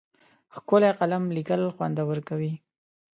ښکلی قلم لیکل خوندور کوي.